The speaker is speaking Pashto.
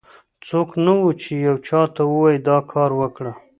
څوک نه و، چې یو چا ته ووایي دا کار وکړه.